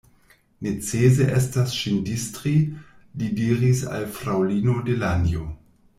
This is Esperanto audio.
Necese estas ŝin distri, li diris al fraŭlino Delanjo.